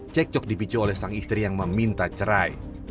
cekcok dipicu oleh sang istri yang meminta cerai